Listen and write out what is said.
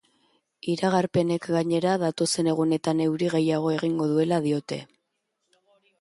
Iragarpenek, gainera, datozen egunetan euri gehiago egingo duela diote.